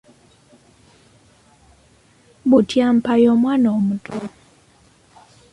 Butyampa y’omwana omuto.